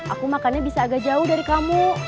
aku makannya bisa agak jauh dari kamu